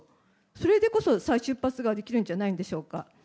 それでこそ再出発ができるんじゃないでしょうか。